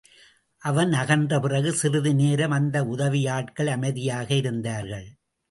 அவன் அகன்ற பிறகு சிறிது நேரம் அந்த உதவியாட்கள் அமைதியாக இருந்தார்கள்.